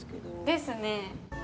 ですね。